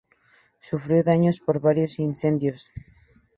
Sufrió daños por varios incendios.